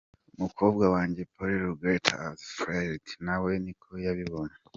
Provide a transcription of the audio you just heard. Umukobwa wanjye Polly Ruettgers Fields nawe niko yabibonye.